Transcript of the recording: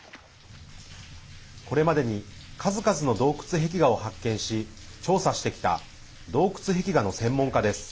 これまでに数々の洞窟壁画を発見し調査してきた洞窟壁画の専門家です。